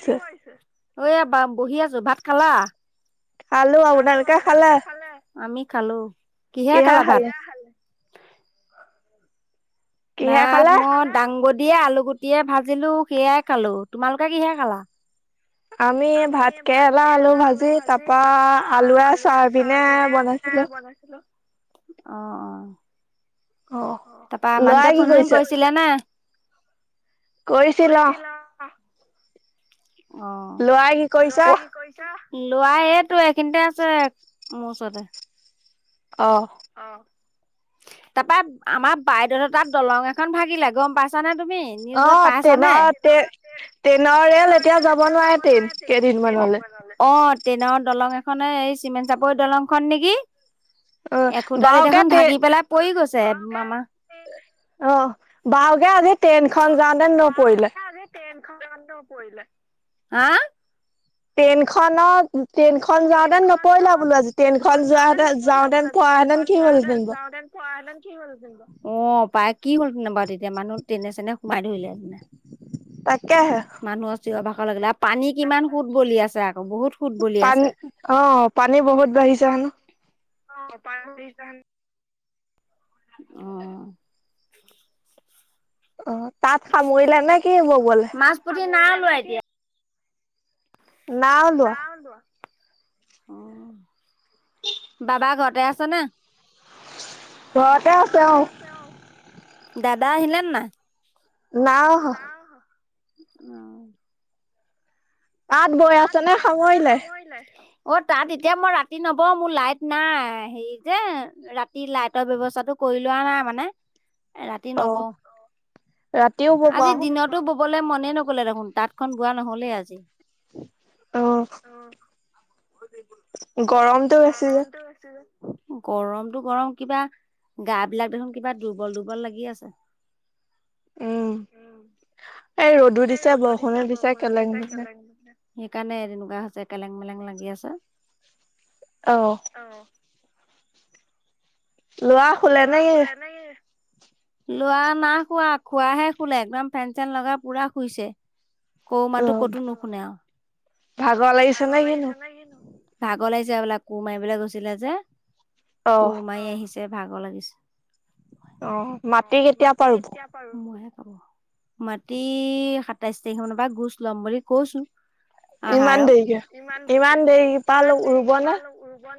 কি কৰিছে? এ বহি আছোঁ। ভাত খালা? খালোঁ। আপোনালোকে খালে? আমি খালোঁ। কিহেৰে খালে ভাত? কিহে ভাত খালে? মই দাংগদিয়ে, আলু গুটিয়ে ভাবিলোঁ সেয়াই খালোঁ। তোমালোকে কিহেৰে খালা? আমি ভাত কেৰেলা, আলু ভাজি তাৰপৰা আলুয়ে, চয়াবিনে বনাইছিলোঁ। [unintelligible] অঁ-অঁ! অ', তাৰপৰা লৰাই মানুহটোৱে কি ফোন-চোন কৰিছে? কৰিছিলে নে? কৰিছিল অ'। লৰাই কি অ', কৰিছে? লৰাই কৰিছে? ল'ৰাই এইটো এইখিনিতে আছে, মোৰ ওচৰতে। অ'। তাৰপৰা আমাৰ বাইদেউ হতৰ তাত দলং এখন ভাগিলে, গম পাইছা নে তুমি? নিউজত অ', পাইছানে ট্ৰেইনৰ ট্ৰেইনৰ ৰেল এতিয়া যাব নোৱাৰে ট্ৰেইন কেইদিনমানলৈ। অ', ট্ৰেইনৰ দলং এখনে এই চিমেণ্ট চাপৰি দলংখন নেকি? অ', এখুতাকে বাওকে দেখোন ট্ৰে ভাগি পেলাই পৰি গৈছে মামা অ', ভালকৈ আজি ট্ৰেইন খন যাওঁতে নপৰিলে। হা? ট্ৰাইনখনত ট্ৰেইন খন যাওঁতেন নপৰিলা বোলো আজি, ট্ৰেইন যোৱাাহেতেন যাওঁতেন পৰাহেঁতেন কি হলহেতেন [unintelligible] কি হ'ল তেনে বাৰু তেতিয়া মানুহ ট্ৰাইনে চেনে সোমাই ধৰিলে হেঁতেন তাকেহে। মানুহৰ চিয়ৰ বাখৰ লাগিলে আৰু পানী কিমান সুত বলি আছে আকৌ বহুত সুত বলি পানী আছে অ', পানী বহুত বাঢ়িছে হেনো। [unintelligible] অ'। অ', তাত সামৰিলে নেকি ববলেই? স্কুটি না লোৱা এতিয়া। নাও লোৱা দাদা ঘৰতে আছে নে? ঘৰতে আছে অ'। দাদা আহিলে নাই? নাই আহা। তাত বৈ আছে নে সামৰিলে? [unintelligible] অ', তাত এতিয়া মই ৰাতি নবও, মোৰ লাইট নাই হেৰি যে ৰাতি লাইটৰ ব্যৱস্থাটো কৰি লোৱা নাই মানে। ৰাতি অ নবও, ৰাতিও বব আজিৰ আকৌ দিনত ববলে মনেই নগ'লে দেখোন, তাঁতখন বোৱা নহ'লেই আজি। অ'। গৰমটো বেছি যে গৰমটো বেছি যে। গৰমতটো গৰম, কিবা গা বিলাক দেখোন কিবা দুৰ্বল দুৰ্বল লাগি আছে। উম, এই ৰ'দো দিছো, বৰষুণত দিছে [unintelligible] সেইকাৰণে তেনেকুৱা হৈছে কেলেং মেলেং লাগি আছে। অ'। অ'। শুলে ল'ৰা নে কি শুলেনেকি? লৰা নাই শুৱা, খোৱাহে শুলে একদম ফেন চেন লগাই পুৰা শুইছে। কৌ অ মাতো ক'তো নুশুনে আৰু। ভাগৰ লাগিছে নে কিনো? ভাগৰ লাগিছে হবলা কোৰ মাৰিবলে গৈছিলে যে, অ কোৰ মাৰি আহিছে ভাগৰ লাগিছে। অ', মাটি কেতিয়া পা ৰুব? [unintelligible] মাটি সাতাইশ তাৰিখ মানৰ পৰা গুচ ল'ম বুলি কৈছো। ইমান আহাৰৰ দেৰিকে ইমান দেৰি পা দেৰি ৰুব নে পালো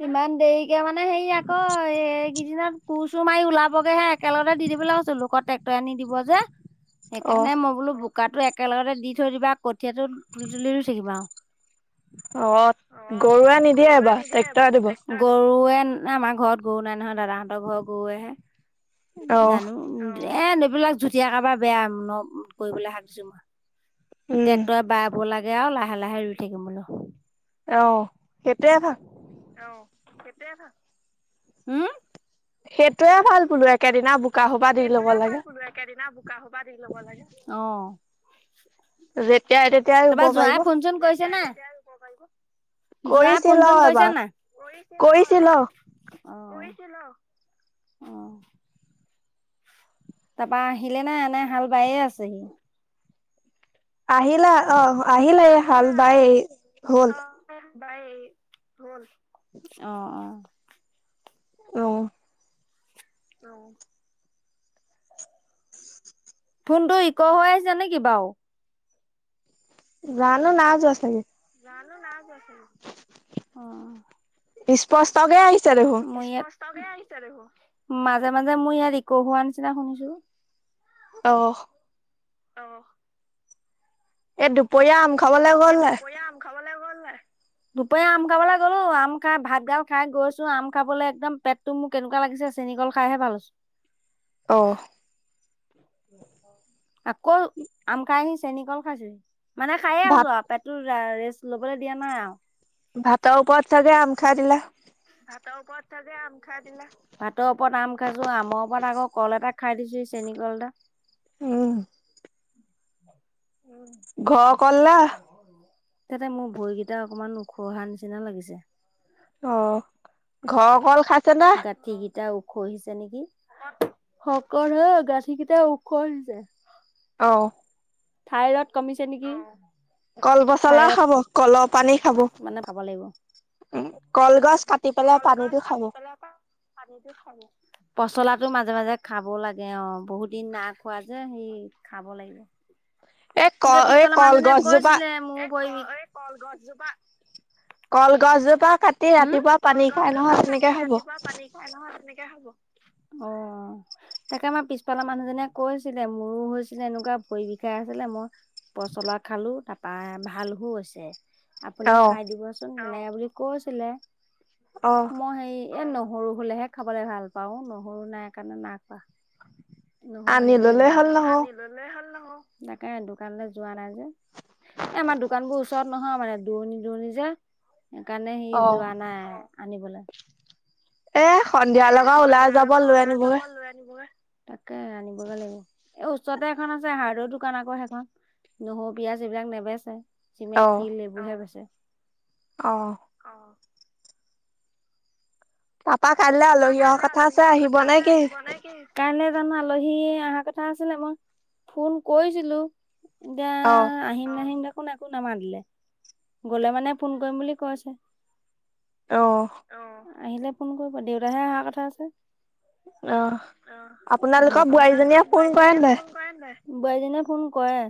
ইমান দেৰিকে মানে হেৰি আকৌ এই কিদিনত কুৰ চুৰ মাৰি ওলাব গে হে একেলগতে দি দিবলৈ কৈছোঁ লোকত ট্ৰেক্টৰ আনি দিব যে অ সেইকাৰণে মই বোলো বোকাটো একেলগতে দি থৈ দিবা কঠীয়াটো তুলি তুলি ৰুই থাকিম আও অ গৰুৱে নিদিয়ে এইবা ট্ৰেক্টৰে দিব আৰু গৰুৱে আমাৰ ঘৰত গৰু নাই নহয় দাদাহঁতৰ ঘৰৰ গৰুৱে হে জানো এ এইবিলাক যোতিয়া কাৰবাৰ বেয়া কৰিবলৈ হাক দিছোঁ মই উম। ট্ৰেক্টৰে বাব লাগে আও লাহে লাহে ৰুই থাকিম বোলো অ সেইটোৱে ভাল উম সেইটোয়ে ভাল বোলো একেদিনা বোকা সোপা দি ল'ব সেইটোয়ে ভাল লাগে। বলো একেদিনা বোকা সোপা দি ল'ব লাগে অ যেতিয়াই তেতিয়াই ৰুব তোমাৰ পাৰিব যোৱাই ফোনচোন কৰিছে নে নাই যোৱাই কৰিছিল ফোন চোন অ' কৰিছে এবাৰ নে নাই কৰিছিল অ'। অহ কৰিছিল অ অ তাপা আহিলে নাই এনে হাল বায়ে আছেহি আহিলা অ আহিলে এই হাল বাই হ'ল [unintelligible] অ অ অহ অহ ফোনটো ইকৌ' হৈ আছে নেকি বাওঁ জানো নাই যোৱা ছাগে জানো নাই জোৱা চান অহ স্পষ্টকে আহিছে দেখোন মোৰ ইয়াত [unintelligible] মাজে মাজে মই ইয়াত ইক হোৱা নিচিনা শুনিছো অ অ এই দুপৰীয়া আম খাবলে গ'ল নাই খাবলে গ'ল নাই? দুপৰীয়া আম খাবলে গ'লো আম খাই ভাত গাল খাই গৈছো আম খাবলৈ একদম পেট টো মোৰ কেনেকুৱা লাগিছে চেনি কল খাইহে ভাল হৈছে অ আকৌ আম খাইহি চেনী কল খাইছোহি মানে খাইয়ে আছো ভাত আও পেট টোৰ ৰেষ্ট ল'বলে দিয়া নাই আও ভাতৰ ওপৰত চাগে আম খাই দিলা ভাতৰ ওপৰত চাগে আম খাই দিলা ভাতৰ ওপৰত আম খাইছো আমৰ ওপৰত আকৌ কল এটা খাই দিছোঁ সেই চেনিকল এটা উম উম ঘৰৰ কল নে? তাতে মোৰ ভৰিকেইটা অকনমান ওখহা নিচিনা লাগিছে অ ঘৰৰ কল খাই গাঁঠি কেইটাও খহিছে নেকি শকত হ গাঁঠি কেইটা ওখ হৈ যায় অ থাইৰড কমিছে নেকি? কলপচলা থাইৰড খাব। কলৰ পানী খাব, মানে খাব লাগিব। উম কলগছ কাটি পেলাই পানীটো খাব। পানীটো খাব। পচলাটো মাজে মাজে খাব লাগে, অ বহুত দিন না খোৱা যে সেই খাব লাগিব। এই ক সকে এই পিছফালে মানুহজনীয়ে কলগছজোপা কৈছিলে ময়ো বই [unintelligible] কলগছজোপা কাটি হম ৰাতিপুৱা পানী খাই নহয় তেনেকে খাব। এ নহয় তেনেকে খাব, অ। তাকে আমাৰ পিছফালৰ মানুহজনে কৈছিলে মোৰো হৈছিলে এনেকুৱা ভৰি বিষাই আছিলে মই পচলা খালো তাৰপা ভালহো হৈছে আপুনিও খাই দিব চ চ নে বুলি কৈছিলে, অ মই সেই এ নহৰু হলেহে খাবলে ভাল পাও, নহৰু নাই কাৰণে নাই খোৱা। নহৰু আনি আনিব ললে লাগিব হ'ল নহৰু। তাকে দোকানলৈ যোৱা নাই যে এ আমাৰ দোকানবোৰ ওচৰত নহয় মানে দুৰণি দুৰণি যে সেইকাৰণে সি অ যোৱা নাই আনিবলৈ। এ সন্ধিয়া লগা ওলাই যাব লৈ আনিবগে। তাকে আনিবগে লাগিব। এই ওচৰতে এখন আছে হাৰ্ডৱেৰ দোকান আকৌ সেইখন নহৰু, পিয়াঁজ এইবিলাক নেবেচে। অ চিমেট, শিল এইবোৰহে বেচে। অ। অ। তাৰাপা কাইলৈ আলহী অহা কথা আছে আহিব নে কি? কাইলৈ জানো আলহী আহা কথা আছিলে মই ফোন কৰিছিলোঁ দে অ। আহিম নাহিম দেখোন একো নামাৰিলে, গ'লে মানে ফোন কৰিম বুলি কৈছে। অহ'। অহ, আহিলে ফোন কৰিব দেউতাহে আহাৰ কথা আছে। অ অহ, আপোনালোকৰ ঘৰৰ পৰা, বোৱাৰীজনীয়ে আপোনালোকৰ ফোন কৰে বোৱাৰীজনীয়ে নাই ফোন কৰে নে নাই? বোৱাৰীজনীয়ে ফোন কৰে।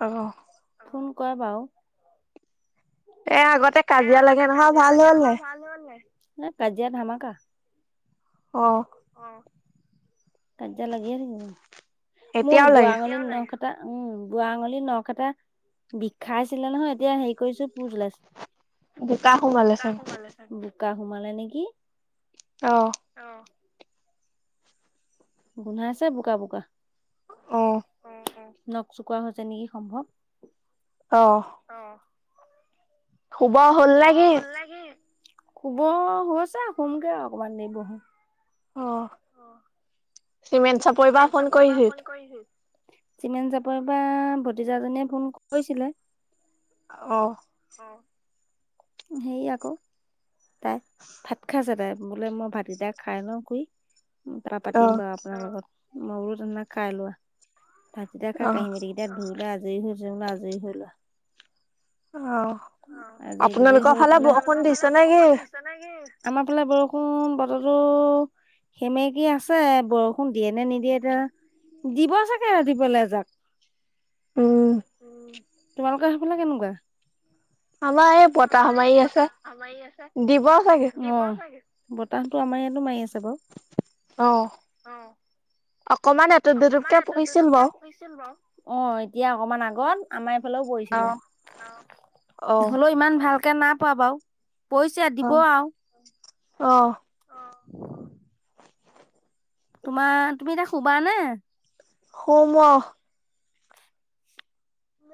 অহ'। ফোন কৰে বাৰু। এ আগতে এ, কাজিয়া আগতে লাগে নহয় কাজিয়া ভাল লাগে হ'ল নহয় নাই ভাল হ'ল নাই? এ কাজিয়া ধামাকা। অ'। অ'। কাজিয়া লাগিয়ে থাকো, মোৰ এতিয়াও বুঢ়া লাগে আঙুলি নখ কা টা উম', বুঢ়া আঙুলি নখ এটা বিষাইছিলে নহয়, এতিয়া হেৰি কৰিছো পুঁজ ওলাইছ বোকা সোমালে বোকা চাগে সোমালে চাগে? বোকা সোমালে নেকি? অহ'। অহ। গোন্ধাইছে বোকা বোকা। অ', অ। নখ চোকোৱা হৈছে নেকি সম্ভৱ? অহ। অ', - শুব হ'ল নে কি? শুব হৈছে, শুমগে অকমান দেৰি বহি। অ' চিমেণ্ট চত চিমেণ্ট চাপৰিৰ পৰা ফোন কৰিছিল। চিমেণ্ট চাপৰিৰ পৰা ভতিজাজনীয়ে ফোন কৰিছিলে। অ' হেৰি আকৌ তাই, ভাত খাই আছে তাই বোলে মই ভাত গিটা খাই লওঁ খুৰি কথা পাতিম অ', বাৰু আপোনাৰ লগত, মই বোলো তেনেহলে খাই লোৱা। ভাতকিকটা খাই অ', কাঁহি-বাটি ধুইলৈ আজৰি হৈ যেনিবা আজৰি হৈ লোৱা। অহ' আজি বুজিৰি হৈ পেলাই, আপোনালোকৰ ফালে নেকি? বৰষুণ দিছে আমাৰ ফালে বৰষুণ বতৰটো সেমেকী আছে, বৰষুণ দিয়ে নে নিদিয়ে বা দিব চাগে ৰাতিপুৱা লৈ এজাক উম, তোমালোকৰ সেইফালে কেনেকুৱা? আমাৰ এই বতাহ আমাৰ এই মাৰি আছে। বতাহ মাৰি আছে দিব চাগে। দিব চাগে বতাহটো আমাৰ ইয়াতো মাৰি আছে বাৰু, অ' অকমান এটোপ দোটোপকে পৰঢছিল বাৰু, অ' এতিয়া অকমান আগত আমাৰ এইফালেও পৰিছিলে। অ', অ'। হলেও ইমান ভালকে নাইপৰা বাৰু, পৰিছে দিব অ', আৰু, অ' অ' তোমাৰ তুমি এতিয়া শুবা নে? শুম অ, - ন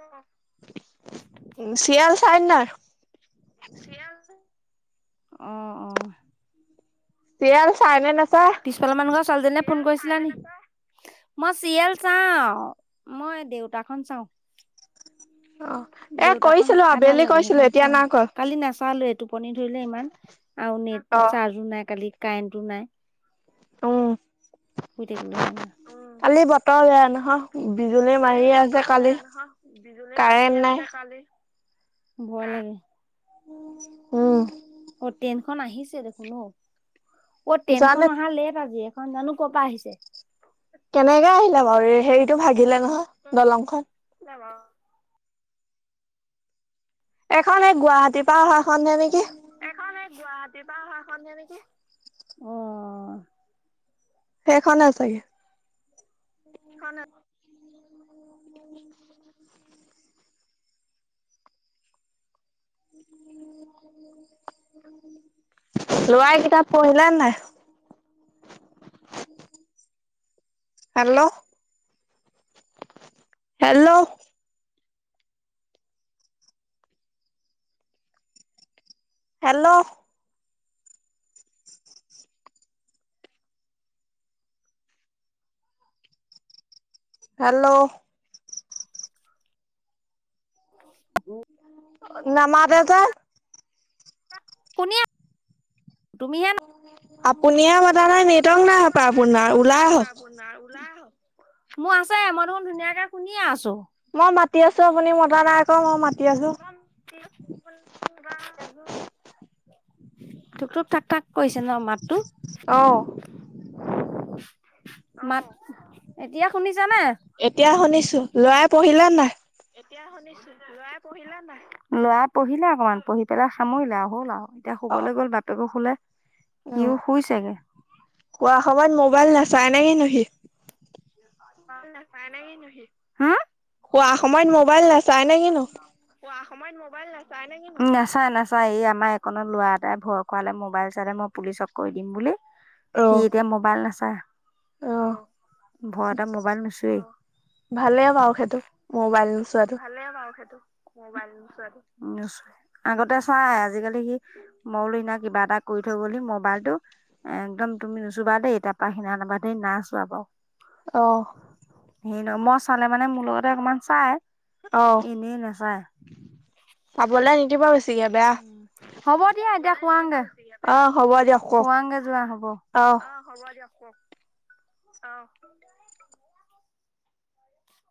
[inaudible] উ, ছিৰিয়েল চাই নাই? চিয়েল অ, - অ। চিয়েল চাই নে নাচায়? পিছফালৰ মানুহ ঘৰৰ ছোৱালীজনীলে ফোন কৰিছিলা নি? মই চিৰিয়েল চাওঁ, মই দেউতা খন চাওঁ। অ', এ দেউতাখন কৰিছিলো চাই ভাল আবেলি লাগে, কৰিছিলো সেইখন এতিয়া চাওঁ। নাই কৰা। কালি নাচালোৱেই, টোপনি ধৰিলে ইমান। আৰু নেট। অ'। চাৰ্জো নাই কালি, কাৰেণ্টো নাই। অ- শুই থাকিলো সেইযকাৰণে। কালি বতৰ বেয়া নহয়? বিজুলী কালি মাৰিয়ে আছে বতৰ কালি। বেয়া নহয়? বিজুলী মাৰিয়ে কাৰেণ্ট নাই আছে কালি। ভয় লাগে। উম। অ'ট্ৰেইনখন আহিছে দেখোন ঔ, জানো অ'ট্ৰেইনখন অহা লেট আজি। এখন জানো ক'ৰ পৰা আহিছে? কেনেকে আহিলে বাৰু? ৰে হেৰিটো ভাগিলে নহয়, দলংখন। [unintelligible] এখন, এই গুৱাহাটীৰ পৰা অহাখনহে নেকি? এখন, এই গুৱাহাটীৰ পৰা অহাখনহে নেকি? অ। সেইখনে চাগে। খনে ল'ৰাই কিতাপ পঢ়িলেনে নাই? Hello, hello? হেল্ল'? হেল্ল'? [inaudible] নামাতে যে? মই শুনি আছোঁ, তুমিহে নুশুনা। আপুনিহে মতা নাই, নেটৱৰ্ক নাই হ'ব পায় আপোনাৰ। ওলাই আহক। ওলাই, ওলাই আহক, মোৰ আছে মই দেখোন ধুনীয়াকে শুনিয়ে আছোঁ। মই মাতি আছোঁ, আপুনি মতা নাই আকৌ। মই মাতি আছোঁ। [unintelligible] টুক-টুক, টাক-টাক কৰিছে ন মাত? অ'। মাত, এতিয়া শুনিছেনে? এতিয়া শুনিছোঁ। ল'ৰাই পঢ়িলেনে নাই? এতিয়া শুনিছোঁ। ল'ৰাই পঢ়িলেনে নাই? ল'ৰাই পঢ়িলে অকমান, পঢ়ি পেলাই সামৰিলে আৰু, হ'ল আৰু এতিয়া অ শুবলৈ গ'ল, বাপেকো শুলে। সিও শুইছেগে। শুৱা সময়ত মোবাইল নাচাই নে কিনো সি? মোবাইল নেচাই নে কিনো সি? হাঁ? শুৱা সময়ত মোবাইল নাচাই নে কিনো? শুৱা সময়ত মোবাইল নাচাই নে কিনো? উম, নেচাই নেচাই। এই আমাৰ এইকনৰ ল'ৰা এটাই ভয় খোৱালে, মোবাইল চালে মই পুলিচক কৈ দিম বুলি। অ সি এতিয়া ম'বাইল নেচাই, অ ভয়তে ম'বাইল নুচোৱেই। ভালে বাৰু সেইটো, ম'বাইল নোচোৱাটো। ভালে বাৰু সেইটো, ম'বাইল নোচোৱাটো। নুচোৱে, আগতে চাই আজিকালি সি মই বোলো সিদিনা কিবা এটা কৰি থৈ গ'লি, মোবাইলটো একদম তুমি নুচোবা দেই, তাৰপা সেইদিনাখনৰ পৰা ধৰি নাই চোৱা বাৰু। অ হেই ন মই চালে মানে মোৰ লগতে অকমান চাই অ এনেই নাচায় চাবলৈ নিদিব বেছি হ'ব দিয়া এতিয়া শুৱাংগে অ হ'ব দিয়ক কওক শুৱাংগে যোৱা হ'ব অ হ'ব দিয়ক কওক অ